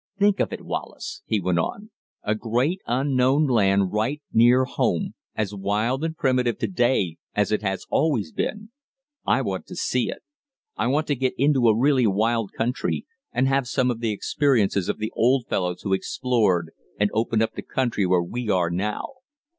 "Think of it, Wallace!" he went on, "A great unknown land right near home, as wild and primitive to day as it has always been! I want to see it. I want to get into a really wild country and have some of the experiences of the old fellows who explored and opened up the country where we are now."